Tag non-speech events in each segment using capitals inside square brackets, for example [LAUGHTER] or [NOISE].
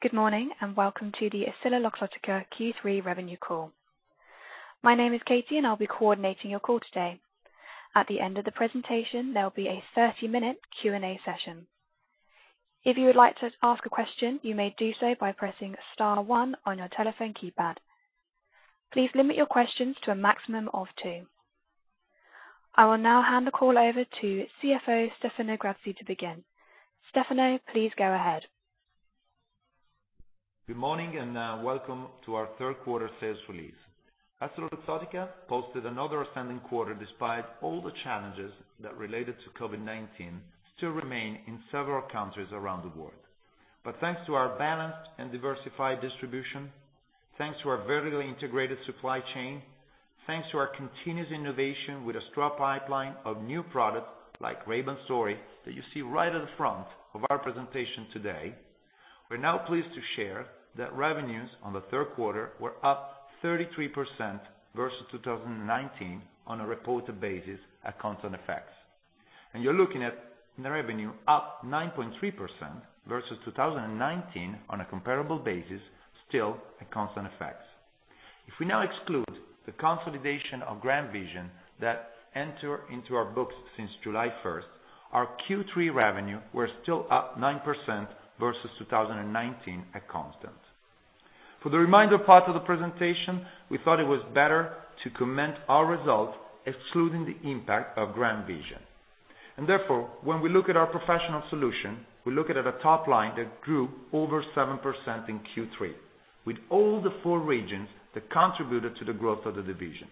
Good morning, and welcome to the EssilorLuxottica Q3 Revenue Call. My name is Katie, and I'll be coordinating your call today. At the end of the presentation, there'll be a 30-minute Q&A session. If you would like to ask a question, you may do so by pressing star one on your telephone keypad. Please limit your questions to a maximum of two. I will now hand the call over to CFO Stefano Grassi to begin. Stefano, please go ahead. Good morning, and welcome to our third quarter sales release. EssilorLuxottica posted another outstanding quarter despite all the challenges that related to COVID-19 still remain in several countries around the world. Thanks to our balanced and diversified distribution, thanks to our vertically integrated supply chain, thanks to our continuous innovation with a strong pipeline of new products like Ray-Ban Stories that you see right at the front of our presentation today. We're now pleased to share that revenues on the third quarter were up 33% versus 2019 on a reported basis at constant FX. You're looking at the revenue up 9.3% versus 2019 on a comparable basis, still at constant FX. If we now exclude the consolidation of GrandVision that enter into our books since July first, our Q3 revenue were still up 9% versus 2019 at constant. For the remainder part of the presentation, we thought it was better to comment our result excluding the impact of GrandVision. Therefore, when we look at our professional solution, we look at a top line that grew over 7% in Q3, with all the four regions that contributed to the growth of the division.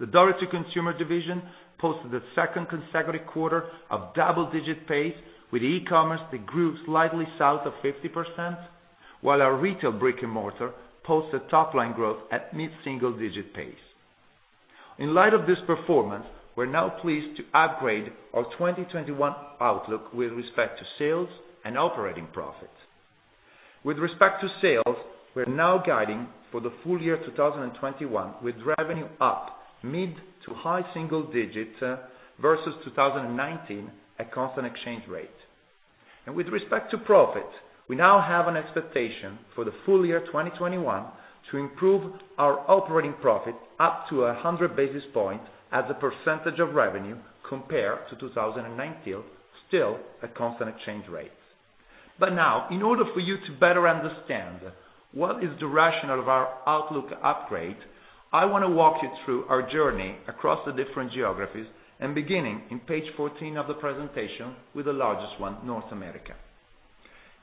The direct-to-consumer division posted a second consecutive quarter of double-digit pace with e-commerce that grew slightly south of 50%, while our retail brick and mortar posted top line growth at mid-single digit pace. In light of this performance, we're now pleased to upgrade our 2021 outlook with respect to sales and operating profit. With respect to sales, we're now guiding for the full year 2021, with revenue up mid- to high-single digits versus 2019 at constant exchange rate. With respect to profit, we now have an expectation for the full year 2021 to improve our operating profit up to 100 basis points as a percentage of revenue compared to 2019, still at constant exchange rates. Now, in order for you to better understand what is the rationale of our outlook upgrade, I wanna walk you through our journey across the different geographies and beginning on page 14 of the presentation with the largest one, North America.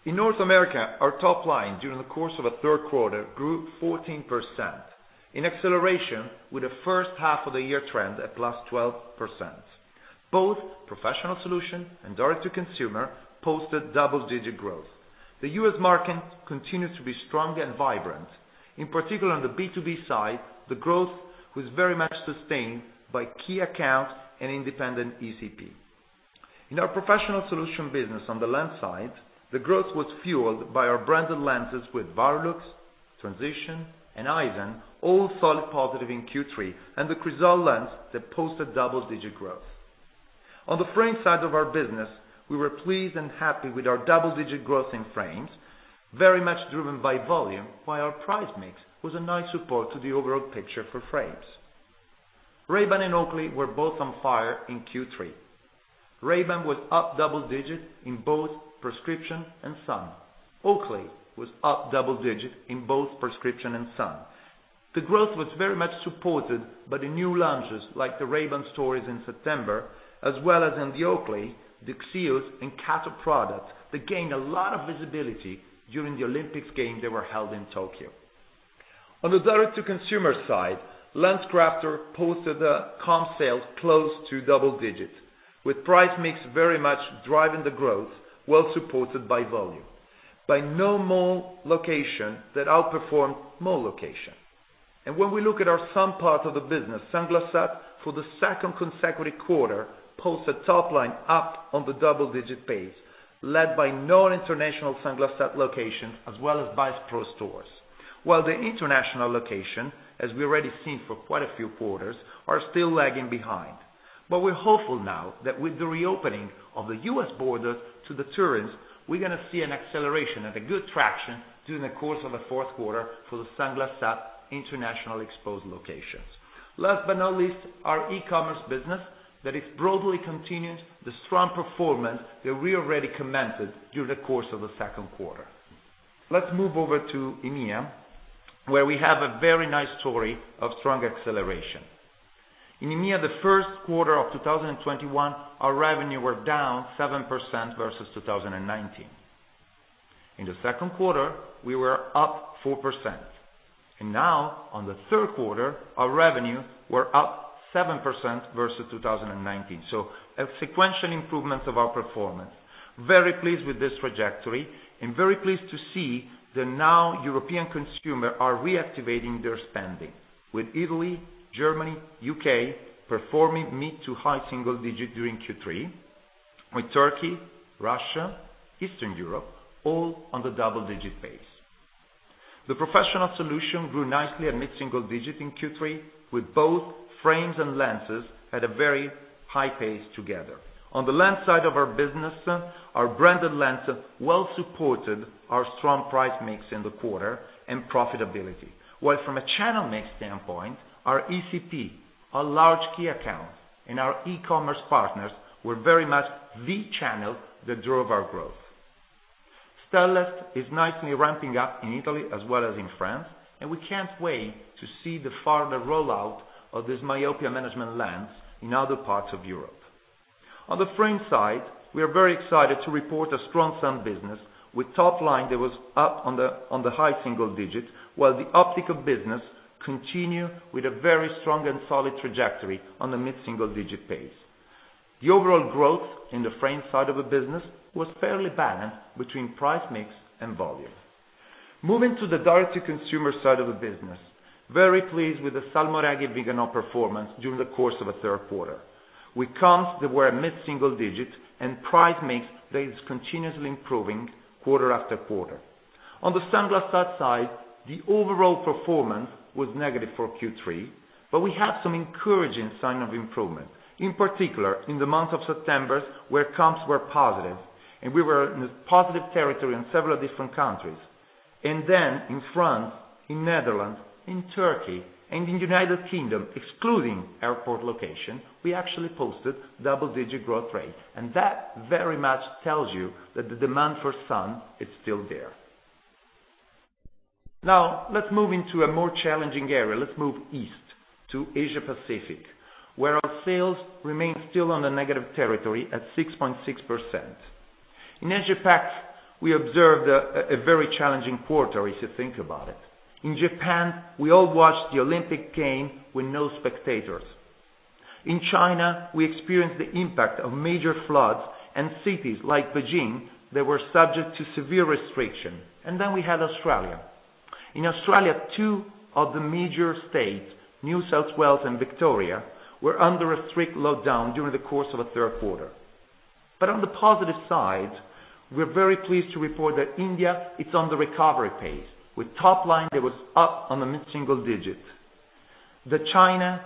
In North America, our top line during the course of the third quarter grew 14% in acceleration with the first half of the year trend at +12%. Both professional solution and direct to consumer posted double-digit growth. The U.S. market continued to be strong and vibrant, in particular on the B2B side, the growth was very much sustained by key account and independent ECP. In our professional solution business on the lens side, the growth was fueled by our branded lenses with Varilux, Transitions, and Eyezen, all solidly positive in Q3, and the Crizal lens that posted double-digit growth. On the frame side of our business, we were pleased and happy with our double-digit growth in frames, very much driven by volume, while our price mix was a nice support to the overall picture for frames. Ray-Ban and Oakley were both on fire in Q3. Ray-Ban was up double digits in both prescription and sun. Oakley was up double digits in both prescription and sun. The growth was very much supported by the new launches like the Ray-Ban Stories in September, as well as in the Oakley, the Sutro, and Kato products that gained a lot of visibility during the Olympic Games that were held in Tokyo. On the direct-to-consumer side, LensCrafters posted a comp sales close to double digits, with price mix very much driving the growth, well supported by volume, by non-mall location that outperformed mall location. When we look at our sunglasses part of the business, Sunglass Hut, for the second consecutive quarter, posted top line up on the double-digit pace, led by non-international Sunglass Hut location as well as Bass Pro stores. While the international location, as we already seen for quite a few quarters, are still lagging behind. We're hopeful now that with the reopening of the U.S. border to the tourists, we're gonna see an acceleration and a good traction during the course of the fourth quarter for the Sunglass Hut international exposed locations. Last but not least, our e-commerce business, that is broadly continued the strong performance that we already commented during the course of the second quarter. Let's move over to EMEA, where we have a very nice story of strong acceleration. In EMEA, the first quarter of 2021, our revenue were down 7% versus 2019. In the second quarter, we were up 4%. Now, on the third quarter, our revenue were up 7% versus 2019. A sequential improvement of our performance. Very pleased with this trajectory and very pleased to see that now European consumers are reactivating their spending with Italy, Germany, U.K., performing mid- to high-single-digit during Q3, with Turkey, Russia, Eastern Europe, all on the double-digit pace. The professional solution grew nicely at mid-single digit in Q3, with both frames and lenses at a very high pace together. On the lens side of our business, our branded lenses well supported our strong price mix in the quarter and profitability. While from a channel mix standpoint, our ECP, our large key account, and our e-commerce partners were very much the channel that drove our growth. Stellest is nicely ramping up in Italy as well as in France, and we can't wait to see the further rollout of this myopia management lens in other parts of Europe. On the frame side, we are very excited to report a strong sun business with top line that was up in the high single digits, while the optical business continue with a very strong and solid trajectory on the mid-single digit pace. The overall growth in the frame side of the business was fairly balanced between price mix and volume. Moving to the direct-to-consumer side of the business, very pleased with the Salmoiraghi & Viganò performance during the course of the third quarter, with comps that were mid-single digit and price mix that is continuously improving quarter after quarter. On the Sunglass Hut side, the overall performance was negative for Q3, but we have some encouraging sign of improvement, in particular, in the month of September, where comps were positive, and we were in a positive territory in several different countries. Then in France, in Netherlands, in Turkey, and in United Kingdom, excluding airport location, we actually posted double-digit growth rate. That very much tells you that the demand for sun is still there. Now, let's move into a more challenging area. Let's move east to Asia Pacific, where our sales remain still on the negative territory at 6.6%. In Asia Pac, we observed a very challenging quarter, if you think about it. In Japan, we all watched the Olympic game with no spectators. In China, we experienced the impact of major floods and cities like Beijing that were subject to severe restriction. Then we had Australia. In Australia, two of the major states, New South Wales and Victoria, were under a strict lockdown during the course of the third quarter. On the positive side, we're very pleased to report that India is on the recovery path with top line that was up in the mid-single digits. China,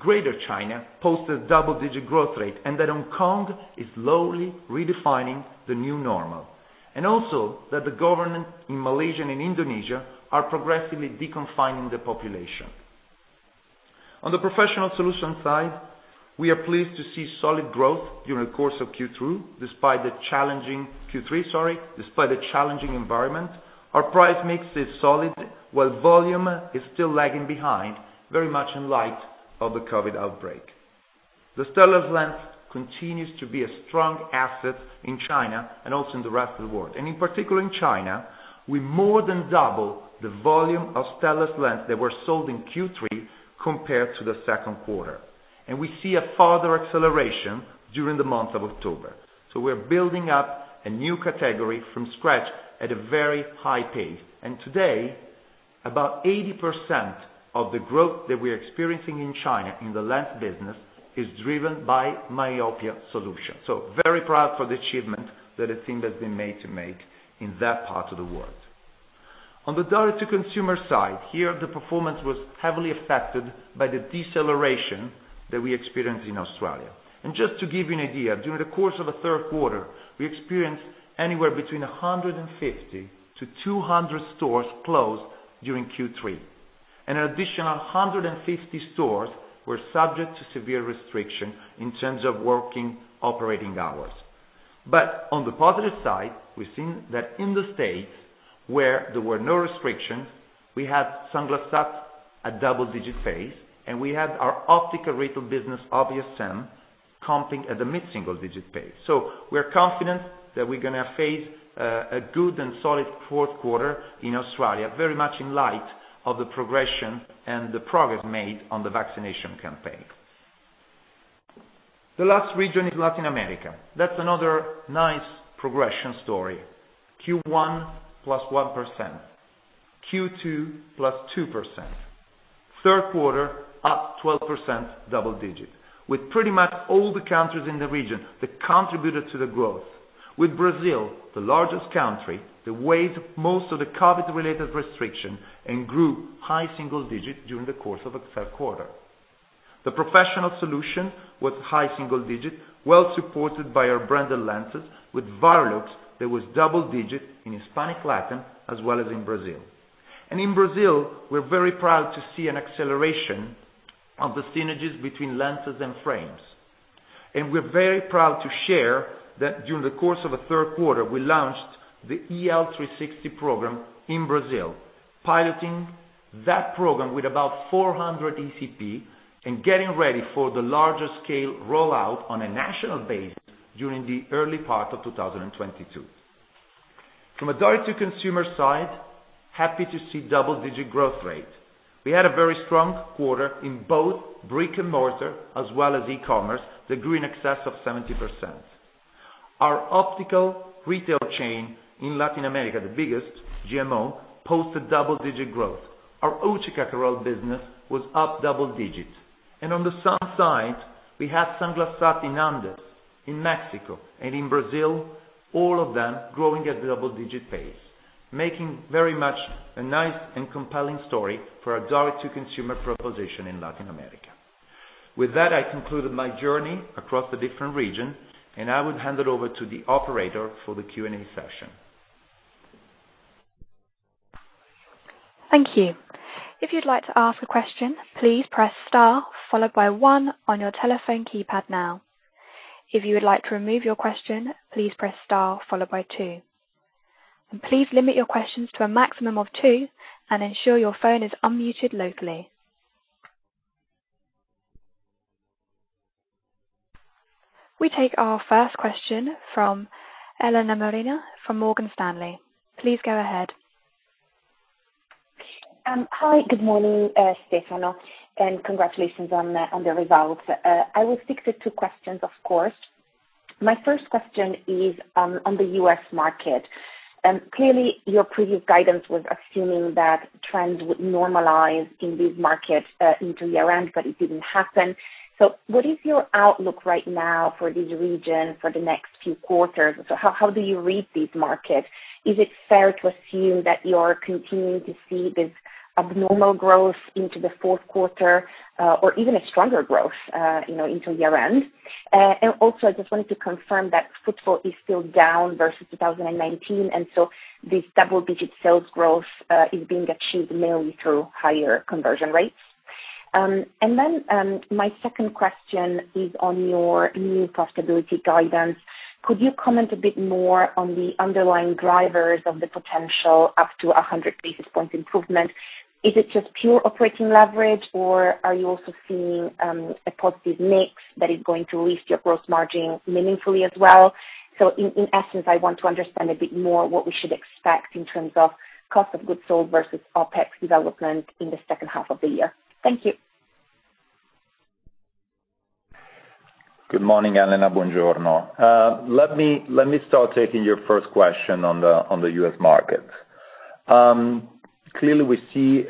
greater China, posted double-digit growth rate, and Hong Kong is slowly redefining the new normal. Also, that the government in Malaysia and Indonesia are progressively deconfining the population. On the professional solution side, we are pleased to see solid growth during the course of Q3 despite the challenging environment. Our price mix is solid, while volume is still lagging behind, very much in light of the COVID outbreak. The Stellest lens continues to be a strong asset in China and also in the rest of the world. In particular in China, we more than doubled the volume of Stellest lens that were sold in Q3 compared to the second quarter. We see a further acceleration during the month of October. We're building up a new category from scratch at a very high pace. Today, about 80% of the growth that we are experiencing in China in the lens business is driven by myopia solution. Very proud for the achievement that the team has been made to make in that part of the world. On the direct-to-consumer side, here the performance was heavily affected by the deceleration that we experienced in Australia. Just to give you an idea, during the course of the third quarter, we experienced anywhere between 150-200 stores closed during Q3. An additional 150 stores were subject to severe restriction in terms of working operating hours. On the positive side, we've seen that in the states where there were no restrictions, we had Sunglass Hut at double-digit pace, and we had our optical retail business, Obvious Sen, comping at a mid-single-digit pace. We're confident that we're gonna face a good and solid fourth quarter in Australia, very much in light of the progression and the progress made on the vaccination campaign. The last region is Latin America. That's another nice progression story. Q1, +1%. Q2, +2%. Third quarter, up 12%, double-digit, with pretty much all the countries in the region that contributed to the growth. With Brazil, the largest country, that waived most of the COVID-related restrictions and grew high single-digit during the course of the third quarter. The professional solution was high single digit, well supported by our branded lenses with Varilux that was double-digit in Hispanic LatAm as well as in Brazil. In Brazil, we're very proud to see an acceleration of the synergies between lenses and frames. We're very proud to share that during the course of the third quarter, we launched the EL360 program in Brazil, piloting that program with about 400 ECP and getting ready for the larger scale rollout on a national basis during the early part of 2022. From a direct-to-consumer side, we're happy to see double-digit growth rate. We had a very strong quarter in both brick-and-mortar as well as e-commerce that grew in excess of 70%. Our optical retail chain in Latin America, the biggest GMO, posted double-digit growth. Our Optica Carol business was up double-digit. On the sun side, we have Sunglass Hut in the Andean region, in Mexico, and in Brazil, all of them growing at double-digit pace, making very much a nice and compelling story for our direct-to-consumer proposition in Latin America. With that, I concluded my journey across the different region, and I would hand it over to the operator for the Q&A session. Thank you. If you'd like to ask a question. Please press star followed by one on your telephone keypad now. If you would like to remove your question. Please press star followed by two. Please limit your questions to a maximum of two and ensure your phone is unmuted locally. We take our first question from Elena Mariani from Morgan Stanley. Please go ahead. Hi, good morning, Stefano, and congratulations on the results. I will stick to two questions, of course. My first question is on the U.S. market. Clearly, your previous guidance was assuming that trends would normalize in this market into year-end, but it didn't happen. What is your outlook right now for this region for the next few quarters? How do you read this market? Is it fair to assume that you're continuing to see this abnormal growth into the fourth quarter or even a stronger growth you know into year-end? And also, I just wanted to confirm that footfall is still down versus 2019, and so this double-digit sales growth is being achieved mainly through higher conversion rates. My second question is on your new profitability guidance. Could you comment a bit more on the underlying drivers of the potential up to 100 basis points improvement? Is it just pure operating leverage or are you also seeing a positive mix that is going to lift your gross margin meaningfully as well? In essence, I want to understand a bit more what we should expect in terms of cost of goods sold versus OpEx development in the second half of the year. Thank you. Good morning, Elena. Buongiorno. Let me start taking your first question on the U.S. market. Clearly, we see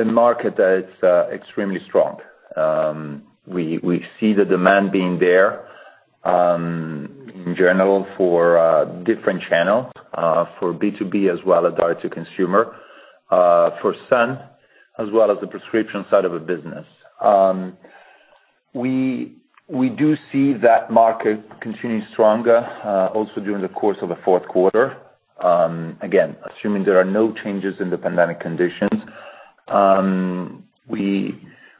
a market that is extremely strong. We see the demand being there in general for different channels for B2B as well as direct to consumer for sun as well as the prescription side of the business. We do see that market continuing stronger also during the course of the fourth quarter, again assuming there are no changes in the pandemic conditions.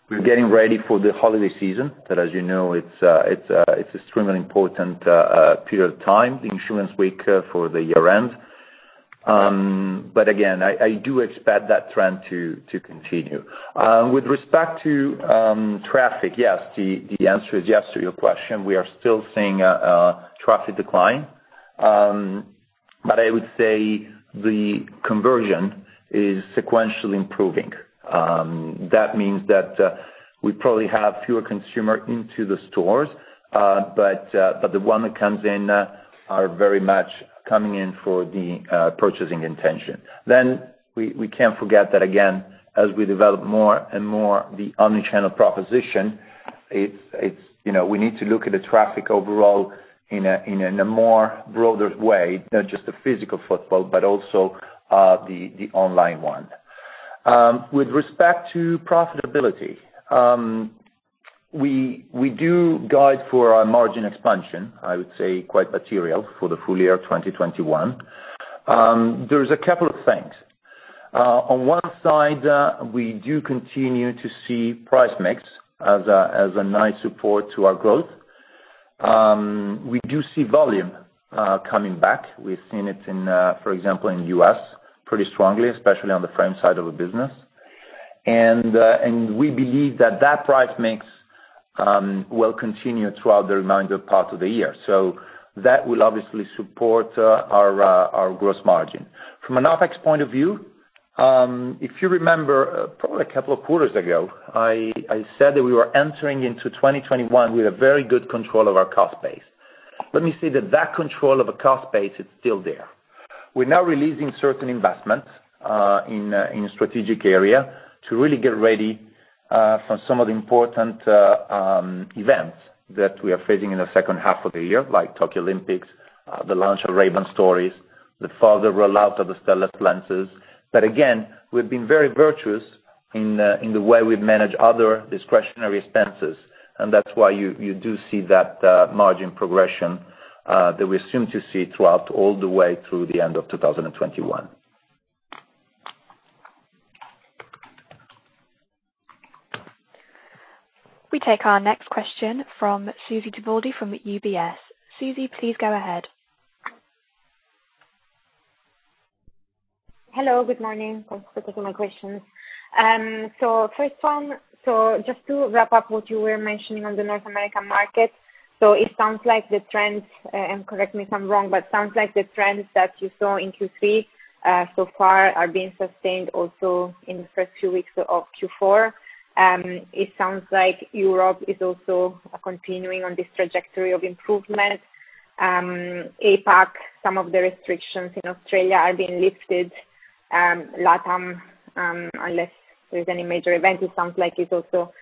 We're getting ready for the holiday season that, as you know, it's extremely important period of time, the insurance week for the year end. But again, I do expect that trend to continue. With respect to traffic, yes, the answer is yes to your question. We are still seeing traffic decline. I would say the conversion is sequentially improving. That means that we probably have fewer consumer into the stores, but the one that comes in are very much coming in for the purchasing intention. We can't forget that again, as we develop more and more the omni-channel proposition, it's you know, we need to look at the traffic overall in a more broader way, not just the physical footfall, but also the online one. With respect to profitability, we do guide for our margin expansion, I would say quite material for the full year of 2021. There is a couple of things. On one side, we do continue to see price mix as a nice support to our growth. We do see volume coming back. We've seen it in, for example, in U.S. pretty strongly, especially on the frame side of a business. We believe that price mix will continue throughout the remainder part of the year. That will obviously support our gross margin. From an OpEx point of view, if you remember, probably a couple of quarters ago, I said that we were entering into 2021 with a very good control of our cost base. Let me say that control of a cost base is still there. We're now releasing certain investments in strategic area to really get ready for some of the important events that we are facing in the second half of the year, like Tokyo Olympics, the launch of Ray-Ban Stories, the further rollout of the Stellest lenses. Again, we've been very virtuous in the way we manage other discretionary expenses, and that's why you do see that margin progression that we assume to see throughout all the way through the end of 2021. We take our next question from Susy Tibaldi from UBS. Susy, please go ahead. Hello, good morning. Thanks for taking my questions. First one, just to wrap up what you were mentioning on the North American market, it sounds like the trends, and correct me if I'm wrong, but sounds like the trends that you saw in Q3 so far are being sustained also in the first two weeks of Q4. It sounds like Europe is also continuing on this trajectory of improvement. APAC, some of the restrictions in Australia are being lifted. LATAM, unless there's any major event, it sounds like it's also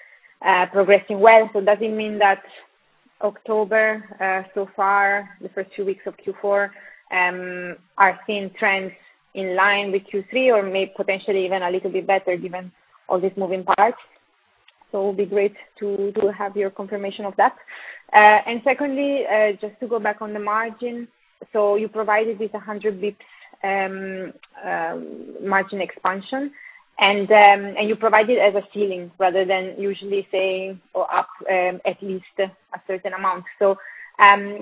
progressing well. Does it mean that October so far, the first two weeks of Q4, are seeing trends in line with Q3, or may potentially even a little bit better given all these moving parts? It'll be great to have your confirmation of that. Secondly, just to go back on the margin. You provided 100 basis points margin expansion, and you provided as a ceiling rather than usually saying or up at least a certain amount.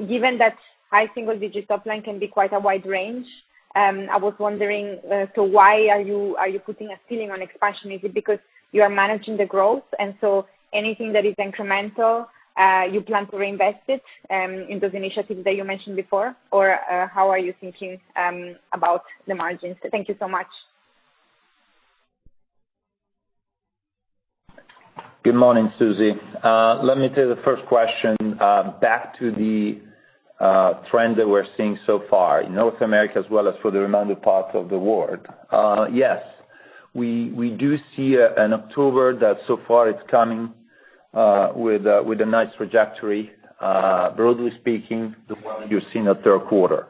Given that high single-digit top line can be quite a wide range, I was wondering why are you putting a ceiling on expansion. Is it because you are managing the growth and so anything that is incremental you plan to reinvest it in those initiatives that you mentioned before. Or how are you thinking about the margins. Thank you so much. Good morning, Susy. Let me take the first question back to the trend that we're seeing so far in North America as well as for the remaining parts of the world. Yes. We do see an October that so far it's coming with a nice trajectory, broadly speaking, the one you've seen in the third quarter.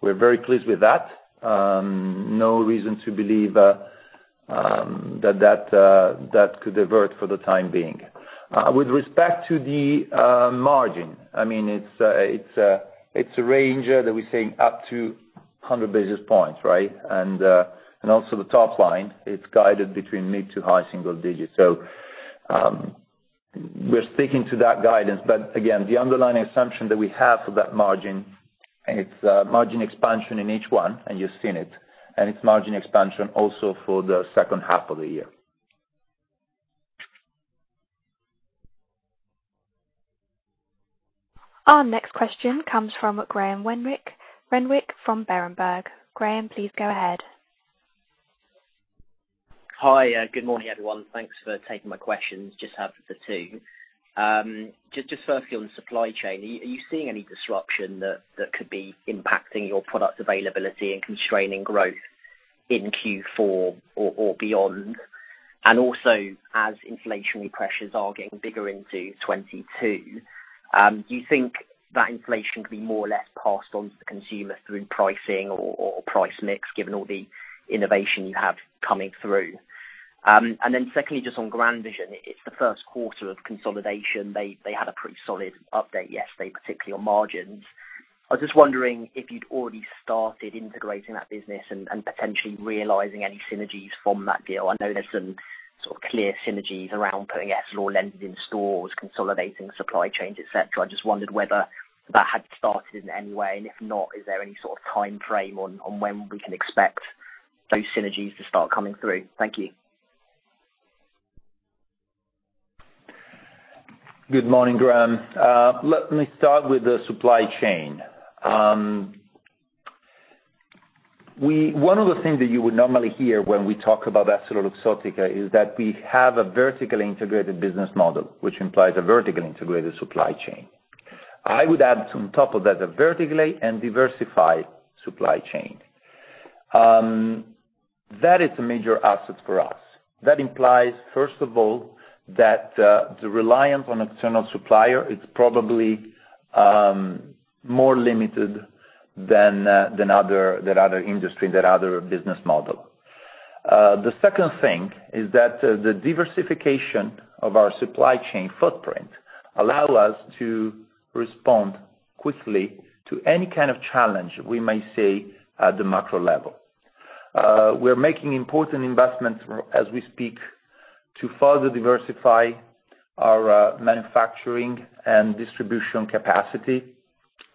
We're very pleased with that. No reason to believe that could invert for the time being. With respect to the margin, I mean, it's a range that we're saying up to 100 basis points, right? Also the top line, it's guided between mid- to high-single digits. We're sticking to that guidance. Again, the underlying assumption that we have for that margin, and it's margin expansion in H1, and you've seen it, and it's margin expansion also for the second half of the year. Our next question comes from Graham Renwick from Berenberg. Graham, please go ahead. Hi. Good morning, everyone. Thanks for taking my questions. I just have the two. Just firstly on the supply chain, are you seeing any disruption that could be impacting your product availability and constraining growth in Q4 or beyond? Also, as inflationary pressures are getting bigger into 2022, do you think that inflation could be more or less passed on to the consumer through pricing or price mix given all the innovation you have coming through? Then secondly, just on GrandVision, it's the first quarter of consolidation. They had a pretty solid update yesterday, particularly on margins. I was just wondering if you'd already started integrating that business and potentially realizing any synergies from that deal. I know there's some sort of clear synergies around putting Essilor lenses in stores, consolidating supply chains, et cetera. I just wondered whether that had started in any way. If not, is there any sort of timeframe on when we can expect those synergies to start coming through? Thank you. Good morning, Graham. Let me start with the supply chain. One of the things that you would normally hear when we talk about EssilorLuxottica is that we have a vertically integrated business model, which implies a vertically integrated supply chain. I would add on top of that, a vertically and diversified supply chain. That is a major asset for us. That implies, first of all, that the reliance on external supplier is probably more limited than in other industries or business models. The second thing is that the diversification of our supply chain footprint allow us to respond quickly to any kind of challenge we may see at the macro level. We're making important investments as we speak to further diversify our manufacturing and distribution capacity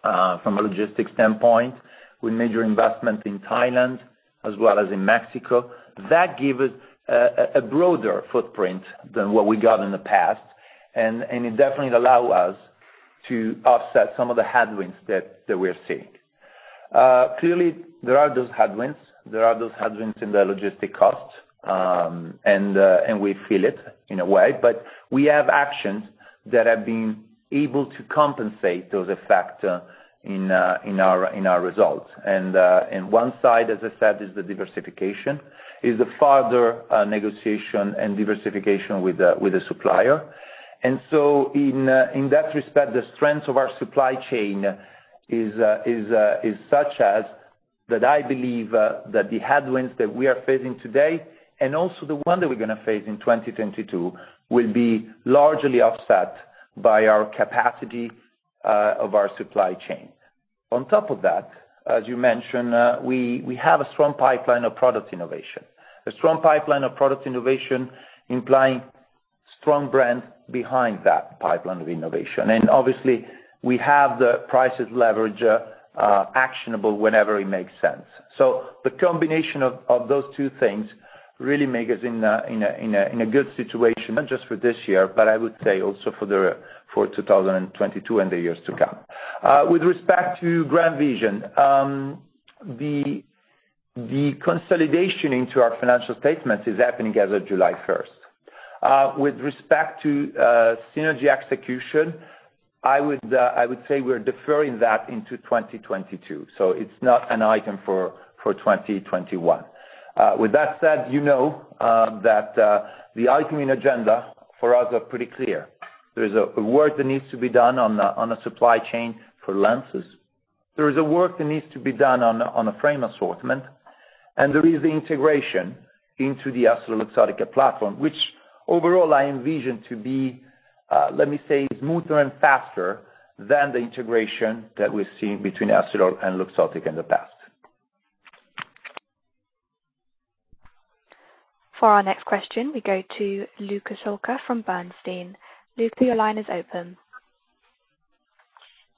from a logistics standpoint, with major investment in Thailand as well as in Mexico. That give us a broader footprint than what we got in the past, and it definitely allow us to offset some of the headwinds that we're seeing. Clearly, there are those headwinds in the logistics costs. We feel it in a way, but we have actions that have been able to compensate those effects in our results. One side, as I said, is the diversification, the further negotiation and diversification with the supplier. In that respect, the strength of our supply chain is such that I believe that the headwinds that we are facing today and also the one that we're gonna face in 2022 will be largely offset by our capacity of our supply chain. On top of that, as you mentioned, we have a strong pipeline of product innovation implying strong brands behind that pipeline of innovation. Obviously, we have the pricing leverage actionable whenever it makes sense. The combination of those two things really make us in a good situation, not just for this year, but I would say also for 2022 and the years to come. With respect to GrandVision, the consolidation into our financial statements is happening as of July first. With respect to synergy execution, I would say we're deferring that into 2022. It's not an item for 2021. With that said, the item in agenda for us are pretty clear. There's a work that needs to be done on the supply chain for lenses. There is a work that needs to be done on the frame assortment, and there is the integration into the EssilorLuxottica platform, which overall I envision to be, let me say, smoother and faster than the integration that we've seen between Essilor and Luxottica in the past. For our next question, we go to Luca Solca from Bernstein. Luca, your line is open.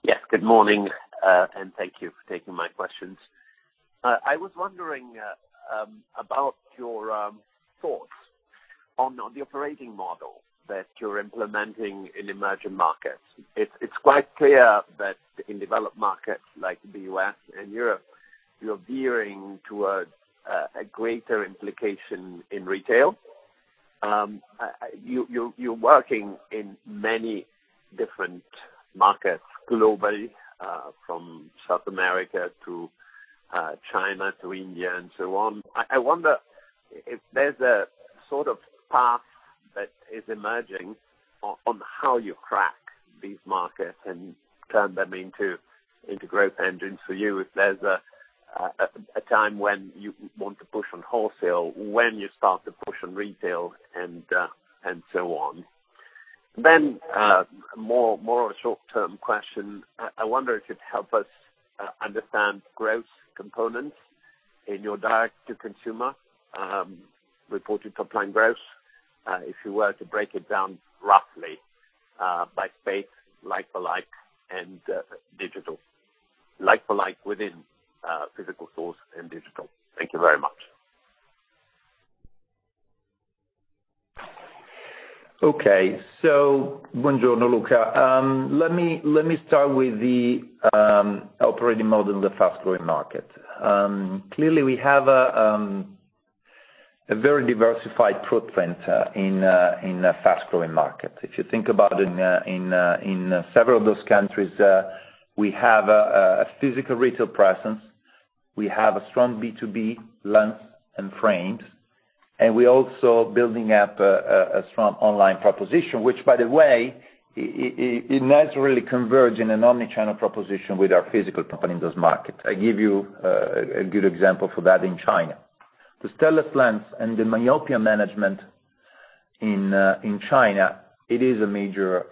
Yes. Good morning and thank you for taking my questions. I was wondering about your thoughts on the operating model that you're implementing in emerging markets. It's quite clear that in developed markets like the U.S. and Europe, you're veering towards a greater implication in retail. You're working in many different markets globally, from South America to China to India and so on. I wonder if there's a sort of path that is emerging on how you crack these markets and turn them into growth engines for you. If there's a time when you want to push on wholesale, when you start to push on retail and so on. More short-term question. I wonder if you'd help us understand growth components in your direct to consumer reported top-line growth, if you were to break it down roughly, by space, like for like, and digital. Like for like within physical stores and digital. Thank you very much. [Buongiorno], Luca. Let me start with the operating model in the fast-growing market. Clearly we have a very diversified footprint in the fast-growing market. If you think about in several of those countries, we have a physical retail presence. We have a strong B2B lens and frames, and we're also building up a strong online proposition, which by the way, it naturally converge in an omni-channel proposition with our physical company in those markets. I give you a good example for that in China. The Stellest lens and the myopia management in China, it is a major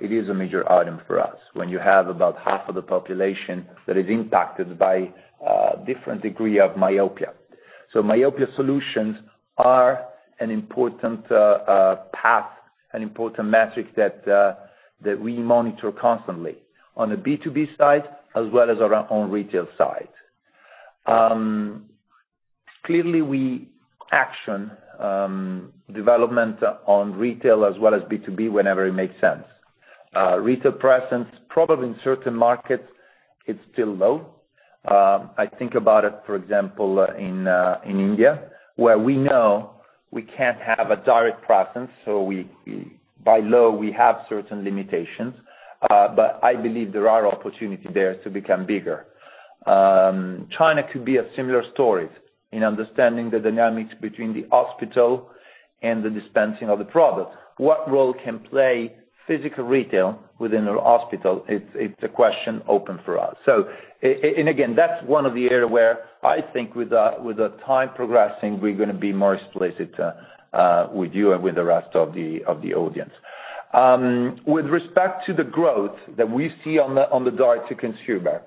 item for us when you have about half of the population that is impacted by a different degree of myopia. Myopia solutions are an important metric that we monitor constantly on a B2B side as well as our own retail side. Clearly, we act on development on retail as well as B2B whenever it makes sense. Retail presence probably in certain markets is still low. I think about it, for example, in India, where we know we can't have a direct presence, so by law we have certain limitations. I believe there are opportunities there to become bigger. China could be a similar story in understanding the dynamics between the hospital and the dispensing of the product. What role can physical retail play within the hospital is the question open for us. Again, that's one of the areas where I think with the time progressing, we're gonna be more explicit with you and with the rest of the audience. With respect to the growth that we see on the direct to consumer,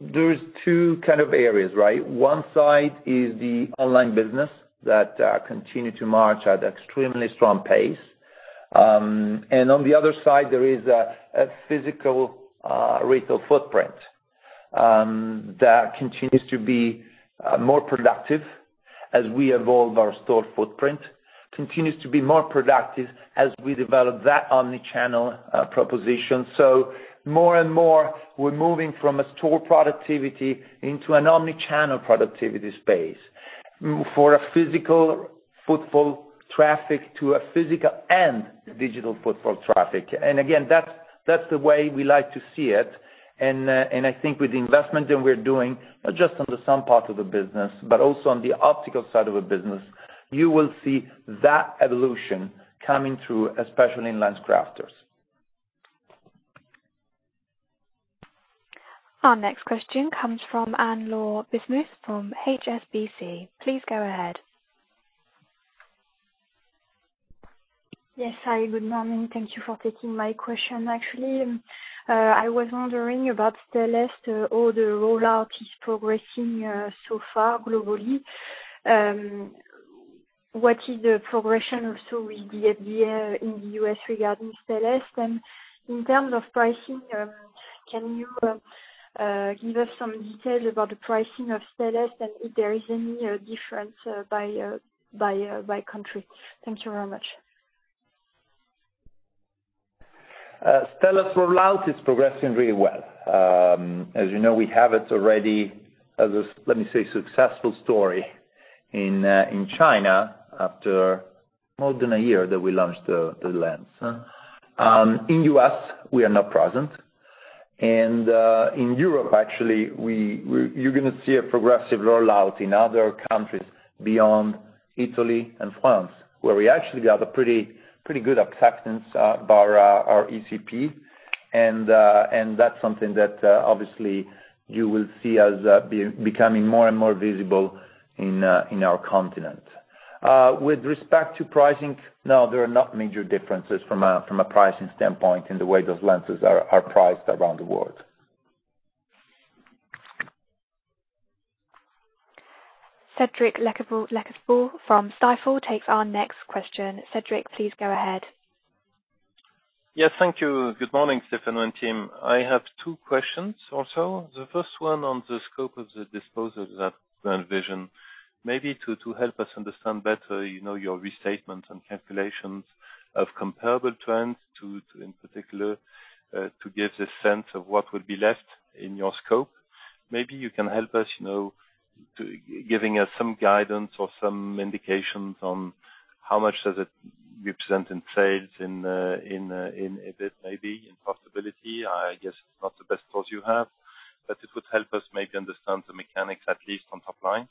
there's two kinds of areas, right? One side is the online business that continues to march at extremely strong pace. And on the other side there is a physical retail footprint that continues to be more productive as we evolve our store footprint. It continues to be more productive as we develop that omni-channel proposition. More and more we're moving from a store productivity into an omni-channel productivity space. From a physical footfall traffic to a physical and digital footfall traffic. Again, that's the way we like to see it. I think with the investment that we're doing, not just on the sun part of the business, but also on the optical side of a business, you will see that evolution coming through, especially in LensCrafters. Our next question comes from Anne-Laure Bismuth from HSBC. Please go ahead. Yes. Hi, good morning. Thank you for taking my question. Actually, I was wondering about the Stellest rollout is progressing so far globally. What is the progress so far with the FDA in the U.S. regarding Stellest? And in terms of pricing, can you give us some details about the pricing of Stellest and if there is any difference by country? Thank you very much. Stellest's rollout is progressing really well. As you know, we have it already as a, let me say, successful story in China after more than a year that we launched the lens. In U.S., we are not present. In Europe, actually, you're gonna see a progressive rollout in other countries beyond Italy and France, where we actually have a pretty good acceptance by our ECP. That's something that obviously you will see as becoming more and more visible in our continent. With respect to pricing, no, there are not major differences from a pricing standpoint in the way those lenses are priced around the world. Cédric Lecasble from Stifel takes our next question. Cédric, please go ahead. Yes, thank you. Good morning, Stefano and team. I have two questions also. The first one on the scope of the disposal of that GrandVision. Maybe to help us understand better, you know, your restatements and calculations of comparable trends, in particular, to give the sense of what would be left in your scope. Maybe you can help us, you know, to giving us some guidance or some indications on how much does it represent in sales, in EBIT, maybe, in profitability. I guess it's not the best thoughts you have, but it would help us maybe understand the mechanics, at least on top line.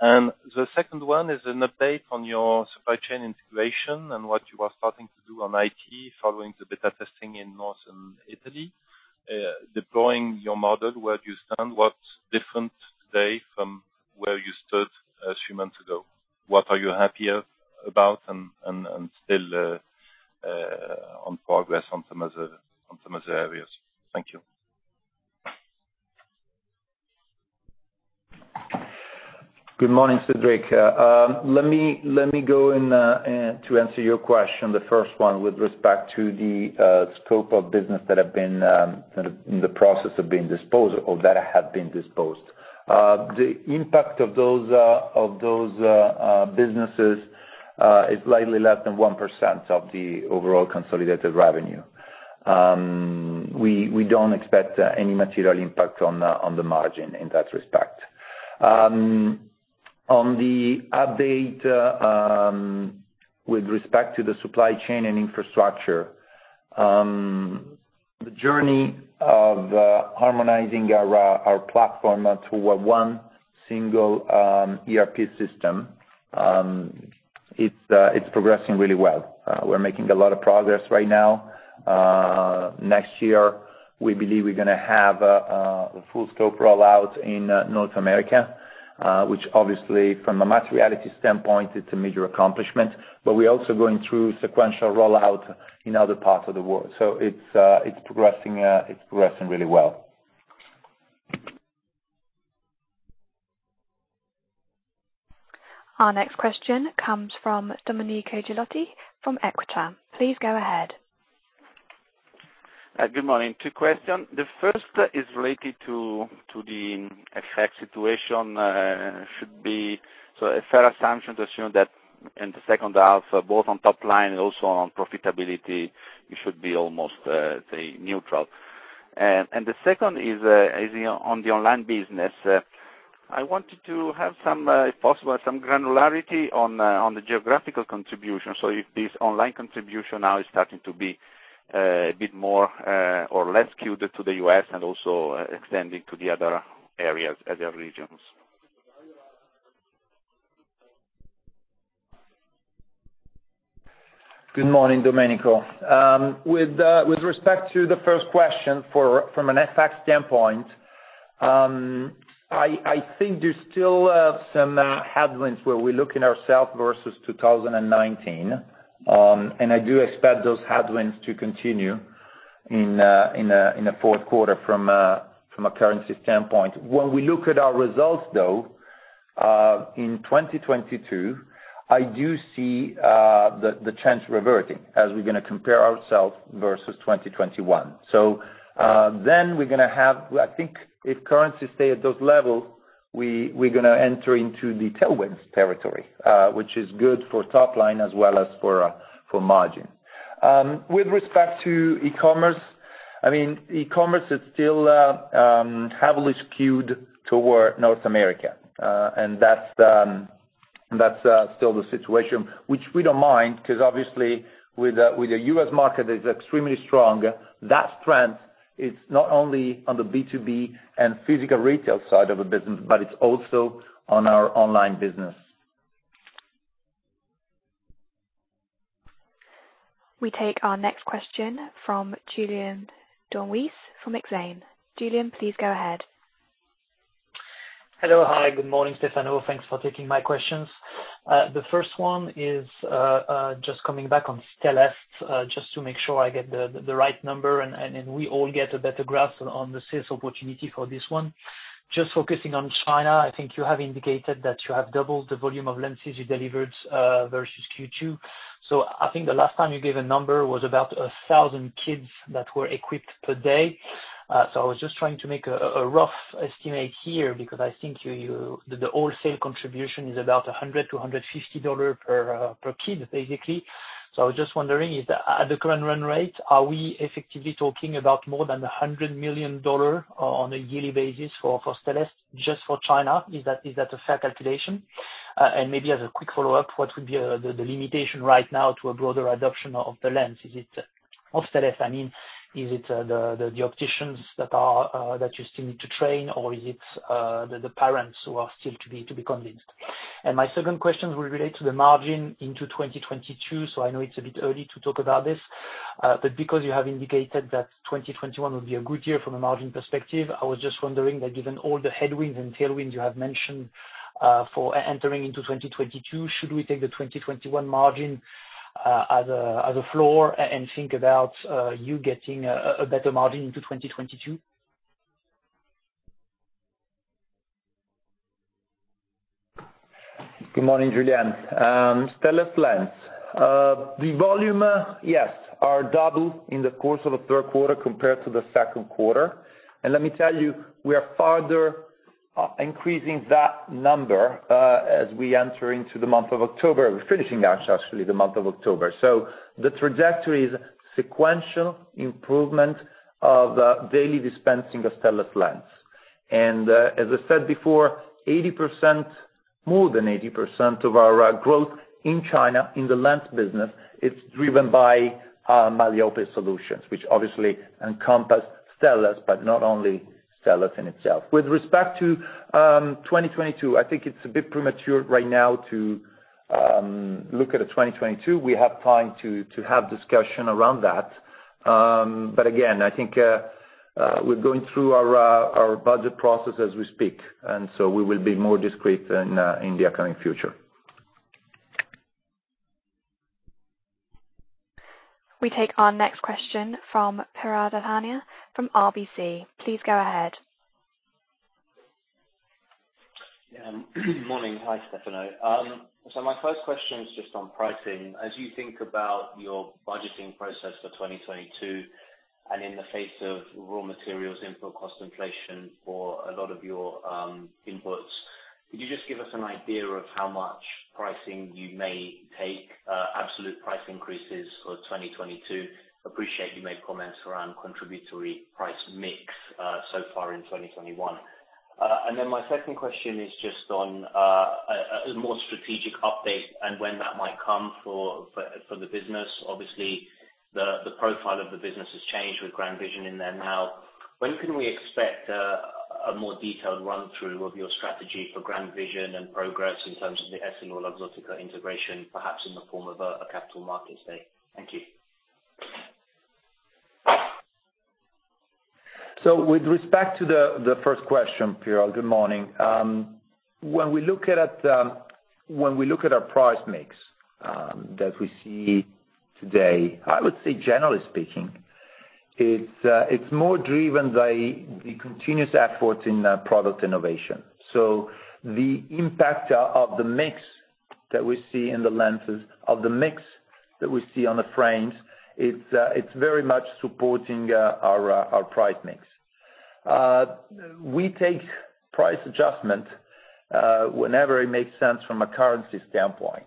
The second one is an update on your supply chain integration and what you are starting to do on IT following the beta testing in Northern Italy, deploying your model, where you stand, what's different today from where you stood a few months ago? What are you happier about and still in progress on some other areas? Thank you. Good morning, Cédric. Let me go in to answer your question, the first one with respect to the scope of business that have been sort of in the process of being disposed or that have been disposed. The impact of those businesses is slightly less than 1% of the overall consolidated revenue. We don't expect any material impact on the margin in that respect. On the update with respect to the supply chain and infrastructure, the journey of harmonizing our platform onto one single ERP system, it's progressing really well. We're making a lot of progress right now. Next year, we believe we're gonna have a full scope rollout in North America, which obviously from a materiality standpoint, it's a major accomplishment. We're also going through sequential rollout in other parts of the world. It's progressing really well. Our next question comes from Domenico Ghilotti from Equita. Please go ahead. Good morning. Two questions. The first is related to the FX situation. A fair assumption to assume that in the second half, both on top line and also on profitability, you should be almost, say neutral. The second is on the online business. I wanted to have some, if possible, some granularity on the geographical contribution. If this online contribution now is starting to be a bit more or less skewed to the U.S. and also extending to the other areas, other regions. Good morning, Domenico. With respect to the first question from an FX standpoint, I think there's still some headwinds where we're looking at ourselves versus 2019. I do expect those headwinds to continue in a fourth quarter from a currency standpoint. When we look at our results, though, in 2022, I do see the trends reverting as we're gonna compare ourselves versus 2021. Then I think if currencies stay at those levels, we're gonna enter into the tailwind's territory, which is good for top line as well as for margin. With respect to e-commerce, I mean, e-commerce is still heavily skewed toward North America. That's still the situation, which we don't mind 'cause obviously with the U.S. market is extremely strong. That trend is not only on the B2B and physical retail side of the business, but it's also on our online business. We take our next question from Julien Dormois from Exane. Julien, please go ahead. Hello. Hi, good morning, Stefano. Thanks for taking my questions. The first one is just coming back on Stellest, just to make sure I get the right number and we all get a better grasp on the sales opportunity for this one. Just focusing on China, I think you have indicated that you have doubled the volume of lenses you delivered versus Q2. I think the last time you gave a number was about 1,000 kits that were equipped per day. I was just trying to make a rough estimate here because I think you the wholesale contribution is about $100-$150 per kid, basically. I was just wondering is that at the current run rate, are we effectively talking about more than $100 million on a yearly basis for Stellest just for China? Is that a fair calculation? And maybe as a quick follow-up, what would be the limitation right now to a broader adoption of the lens? Is it Stellest, I mean, is it the opticians that you still need to train or is it the parents who are still to be convinced? My second question will relate to the margin into 2022. I know it's a bit early to talk about this, but because you have indicated that 2021 will be a good year from a margin perspective, I was just wondering that given all the headwinds and tailwinds you have mentioned, for entering into 2022, should we take the 2021 margin as a floor and think about you getting a better margin into 2022? Good morning, Julien. Stellest lens. The volume, yes, has doubled in the course of the third quarter compared to the second quarter. Let me tell you, we are further increasing that number as we enter into the month of October. We're finishing actually the month of October. The trajectory is sequential improvement of the daily dispensing of Stellest lens. As I said before, 80%, more than 80% of our growth in China in the lens business, it's driven by myopia solutions, which obviously encompass Stellest, but not only Stellest in itself. With respect to 2022, I think it's a bit premature right now to look at a 2022. We have time to have discussion around that. Again, I think we're going through our budget process as we speak, and so we will be more discreet in the upcoming future. We take our next question from Piral Dadhania from RBC. Please go ahead. Yeah. Morning. Hi, Stefano. My first question is just on pricing. As you think about your budgeting process for 2022, and in the face of raw materials input cost inflation for a lot of your inputs, could you just give us an idea of how much pricing you may take, absolute price increases for 2022? Appreciate you made comments around contributory price mix, so far in 2021. My second question is just on a more strategic update and when that might come for the business. Obviously, the profile of the business has changed with GrandVision in there now. When can we expect a more detailed run through of your strategy for GrandVision and progress in terms of the EssilorLuxottica integration, perhaps in the form of a capital markets day? Thank you. With respect to the first question, Piral, good morning. When we look at our price mix that we see today, I would say generally speaking, it's more driven by the continuous efforts in product innovation. The impact of the mix that we see in the lenses, of the mix that we see on the frames, it's very much supporting our price mix. We take price adjustment whenever it makes sense from a currency standpoint.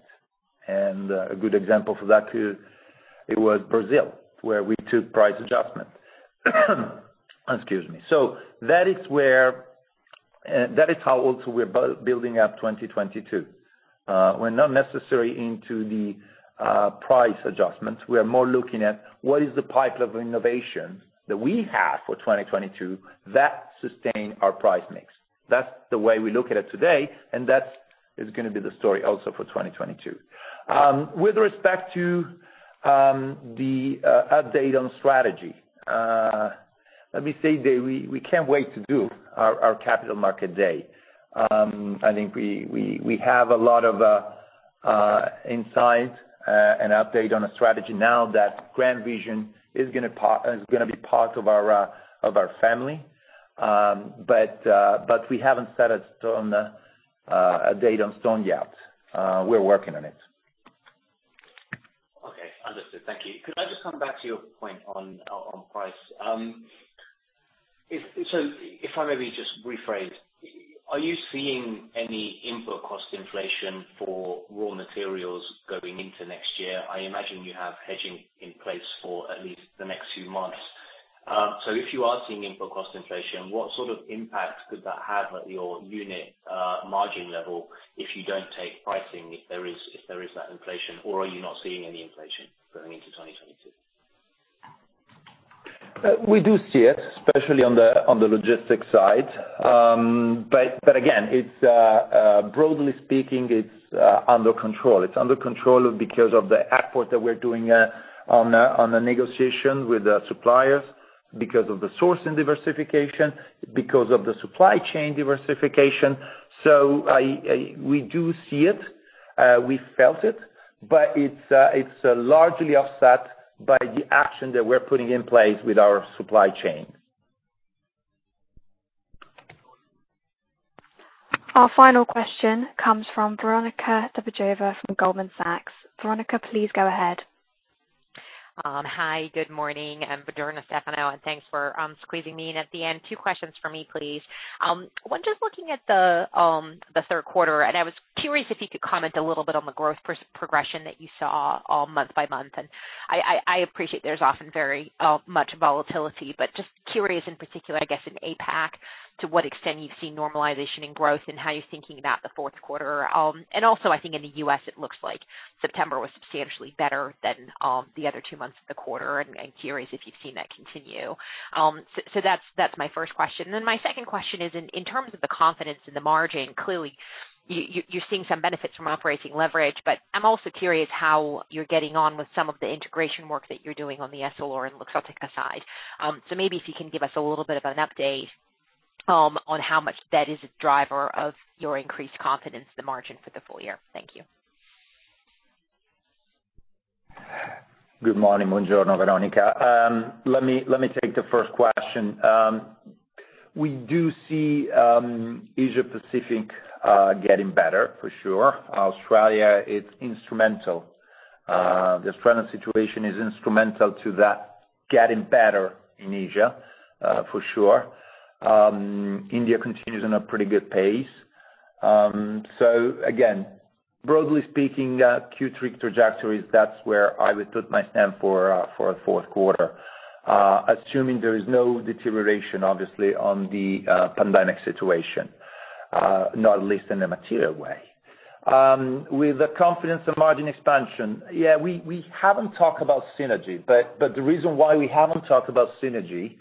A good example for that is, it was Brazil, where we took price adjustment. Excuse me. That is how also we're building up 2022. We're not necessarily into the price adjustments. We are more looking at what is the pipeline of innovation that we have for 2022 that sustain our price mix. That's the way we look at it today, and that is gonna be the story also for 2022. With respect to the update on strategy, let me say that we have a lot of insights and update on a strategy now that GrandVision is gonna be part of our family. But we haven't set a date in stone yet. We're working on it. Okay. Understood. Thank you. Could I just come back to your point on price? So, if I maybe just rephrase, are you seeing any input cost inflation for raw materials going into next year? I imagine you have hedging in place for at least the next few months. So, if you are seeing input cost inflation, what sort of impact could that have at your unit margin level if you don't take pricing if there is that inflation, or are you not seeing any inflation going into 2022? We do see it, especially on the logistics side. Again, broadly speaking, it's under control. It's under control because of the effort that we're doing on the negotiation with the suppliers, because of the sourcing diversification, because of the supply chain diversification. We do see it, we felt it, but it's largely offset by the action that we're putting in place with our supply chain. Our final question comes from Veronika Dubajova from Goldman Sachs. Veronika, please go ahead. Hi, good morning, [AUDIO DISTORTION] Stefano, and thanks for squeezing me in at the end. Two questions for me, please. One, just looking at the third quarter, and I was curious if you could comment a little bit on the growth progression that you saw all month by month. I appreciate there's often very much volatility, but just curious in particular, I guess, in APAC, to what extent you've seen normalization in growth and how you're thinking about the fourth quarter. Also, I think in the U.S. it looks like September was substantially better than the other two months of the quarter. I'm curious if you've seen that continue. So that's my first question. My second question is in terms of the confidence in the margin. Clearly you're seeing some benefits from operating leverage, but I'm also curious how you're getting on with some of the integration work that you're doing on the EssilorLuxottica side. Maybe if you can give us a little bit of an update on how much that is a driver of your increased confidence in the margin for the full year. Thank you. Good morning. Buongiorno, Veronika. Let me take the first question. We do see Asia Pacific getting better for sure. Australian, it's instrumental. The Australian situation is instrumental to that getting better in Asia for sure. India continues on a pretty good pace. Again, broadly speaking, Q3 trajectories, that's where I would put my stamp for a fourth quarter, assuming there is no deterioration, obviously, on the pandemic situation, not at least in a material way. With the confidence of margin expansion, yeah, we haven't talked about synergy, but the reason why we haven't talked about synergy,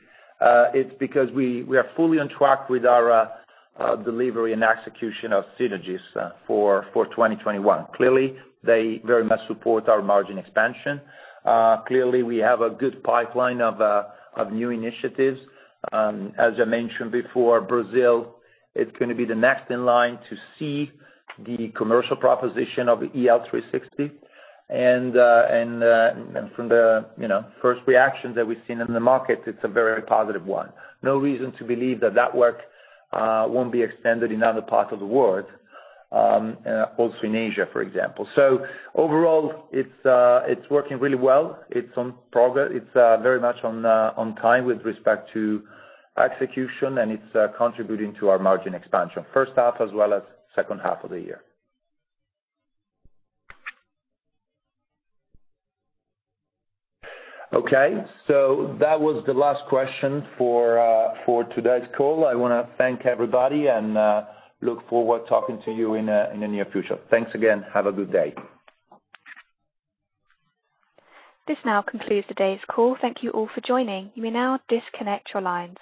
it's because we are fully on track with our delivery and execution of synergies for 2021. Clearly, they very much support our margin expansion. Clearly, we have a good pipeline of new initiatives. As I mentioned before, Brazil is gonna be the next in line to see the commercial proposition of EL360. From the, you know, first reactions that we've seen in the market, it's a very positive one. No reason to believe that work won't be extended in other parts of the world, also in Asia, for example. Overall, it's working really well. It's in progress. It's very much on time with respect to execution, and it's contributing to our margin expansion, first half as well as second half of the year. Okay. That was the last question for today's call. I wanna thank everybody and look forward to talking to you in the near future. Thanks again. Have a good day. This now concludes today's call. Thank you all for joining. You may now disconnect your lines.